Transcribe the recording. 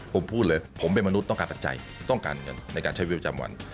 ผมพูดเลยผมเป็นมนุษย์ต้องการปัจจัยต้องการเงินในการใช้วิวจำวัน